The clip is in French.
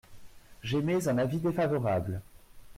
J’émets un avis défavorable.